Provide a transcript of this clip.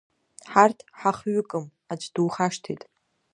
Ҳарҭ ҳахҩыкым, аӡә духашҭит…